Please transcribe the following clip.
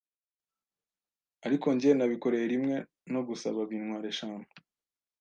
Ariko njye nabikoreye rimwe no gusaba bintwara eshanu